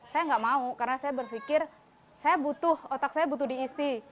saya nggak mau karena saya berpikir saya butuh otak saya butuh diisi